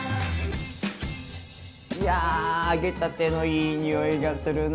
いや揚げたてのいい匂いがするな。